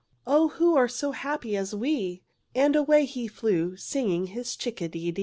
Oh, who are so happy as we?" And away he flew, singing his chick a de dee.